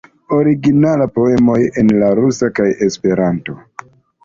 Originalaj poemoj en la rusa kaj Esperanto.